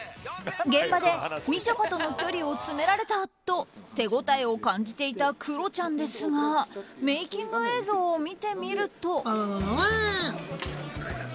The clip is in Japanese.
現場で、みちょぱとの距離を詰められたと手応えを感じていたクロちゃんですがメイキング映像を見てみると。